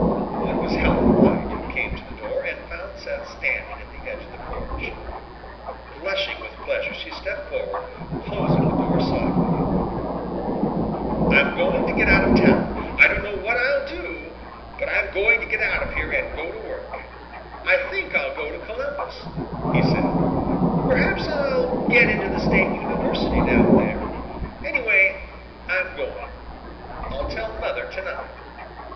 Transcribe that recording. It was Helen White who came to the door and found Seth standing at the edge of the porch. Blushing with pleasure, she stepped forward, closing the door softly. "I'm going to get out of town. I don't know what I'll do, but I'm going to get out of here and go to work. I think I'll go to Columbus," he said. "Perhaps I'll get into the State University down there. Anyway, I'm going. I'll tell mother tonight."